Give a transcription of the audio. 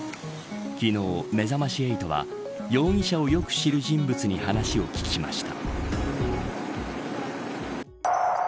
昨日、めざまし８は容疑者をよく知る人物に話を聞きました。